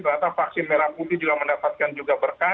ternyata vaksin merah putih juga mendapatkan juga berkah